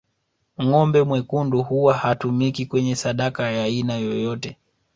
Ngombe mwekundu huwa hatumiki kwenye sadaka ya aina yoyote